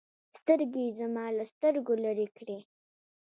سترګې يې زما له سترګو لرې كړې.